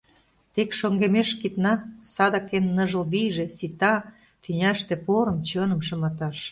Тек шоҥгемеш кидна, Садак эн ныжыл вийже Сита тӱняште порым, чыным шыматаш.